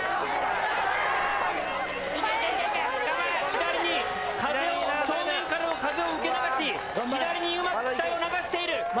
左に風を正面からの風を受け流し左にうまく機体を流している。